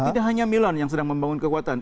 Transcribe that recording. tidak hanya milan yang sedang membangun kekuatan